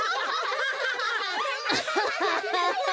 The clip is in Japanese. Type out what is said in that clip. アハハハ。